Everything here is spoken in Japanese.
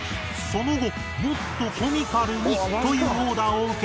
その後「もっとコミカルに」というオーダーを受け